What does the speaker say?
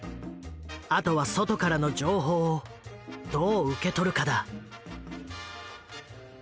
あとは外からの情報をどう受け取るかだ。